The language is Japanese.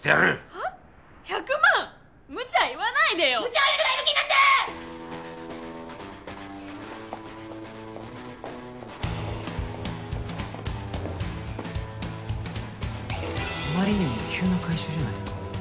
あまりにも急な回収じゃないですか。